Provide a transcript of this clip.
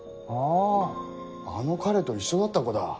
あああの彼と一緒だった子だ。